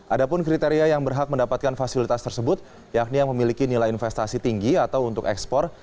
ada pun kriteria yang berhak mendapatkan fasilitas tersebut yakni yang memiliki nilai investasi tinggi atau untuk ekspor